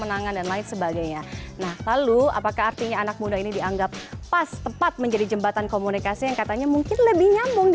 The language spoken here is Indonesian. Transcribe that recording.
berita terkini dari kpum